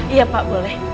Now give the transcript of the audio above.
iya pak boleh